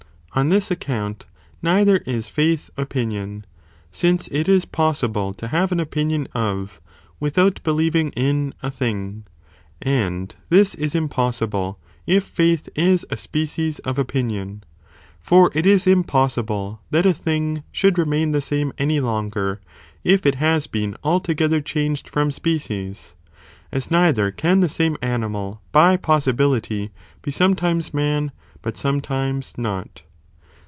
On this account, neither is faith opinion, since it is possible to have an opinion of, without believing in, a thing ; and this is impossible, if faith is ἃ species of opinion, for it is impossible that a thing should remain the same any longer, if it has been altogether changed from species, as. neither can the same animal by possibility be sometimes man, but sometimes not.